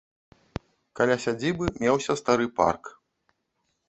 Каля сядзібы меўся стары парк.